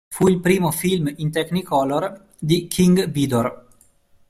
Fu il primo film in Technicolor di King Vidor.